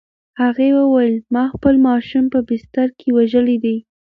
هغې وویل: "ما خپل ماشوم په بستر کې وژلی دی؟"